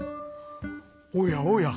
「おやおや。